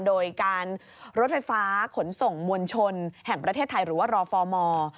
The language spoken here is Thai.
โดยการรถไฟฟ้าขนส่งมวลชนแห่งประเทศไทยหรือว่ารอฟอร์มอร์